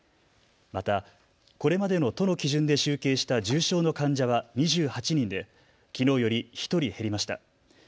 また、これまでの都の基準で集計した重症の患者は２８人できのうより１人減りました。